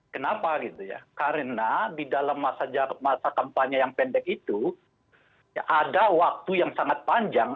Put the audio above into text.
kenapa gitu ya karena di dalam masa kampanye yang pendek itu ada waktu yang sangat panjang